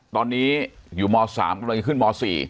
ตอนนี้อยู่ม๓ขึ้นม๔